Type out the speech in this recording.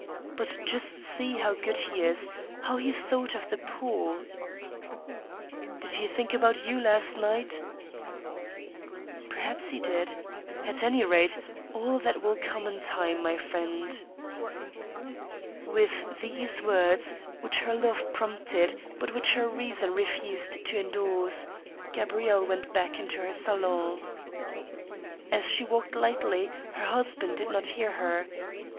... But just see how good he is — ^how he thought of the poor !"Did he think about you last night ?"" Perhaps he did. ... At any rate, all that will come in time, my friend." With these words, which her love prompted, but which her reason refused to indorse, Gabrielle went back into her salon. As she walked lightly, her husband did not hear her.